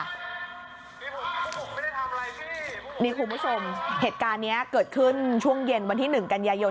นี่คุณผู้ชมเหตุการณ์นี้เกิดขึ้นช่วงเย็นวันที่๑กันยายน